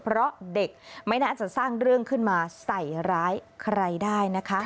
เพราะเด็กไม่น่าจะสร้างเรื่องขึ้นมาใส่ร้ายใครได้นะคะ